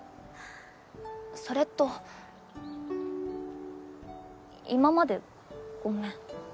それと今までごめん。